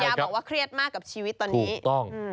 คุณยาบอกว่าเครียดมากกับชีวิตตอนนี้